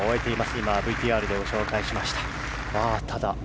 今、ＶＴＲでご紹介しました。